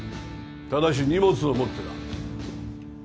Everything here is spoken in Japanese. ただし荷物を持ってだ。